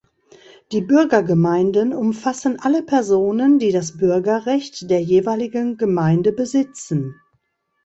Die Bürgergemeinden umfassen alle Personen, die das Bürgerrecht der jeweiligen Gemeinde besitzen.